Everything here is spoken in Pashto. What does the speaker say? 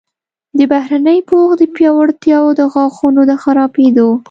د بهرني پوښ د پیاوړتیا او د غاښونو د خرابیدو